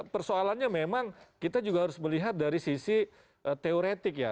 persoalannya memang kita juga harus melihat dari sisi teoretik ya